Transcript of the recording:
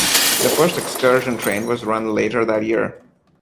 The first excursion train was run later that year.